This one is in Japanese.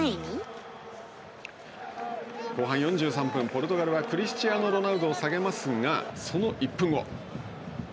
ポルトガルがクリスチアーノ・ロナウドを下げますがその１分後。